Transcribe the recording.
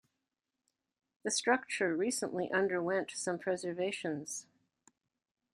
The structure recently underwent some preservations.